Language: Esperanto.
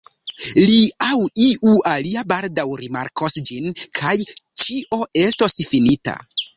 Li aŭ iu alia baldaŭ rimarkos ĝin, kaj ĉio estos finita.